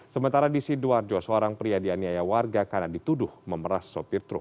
sementara di sidoarjo seorang pria dianiaya warga karena dituduh memeras sopir truk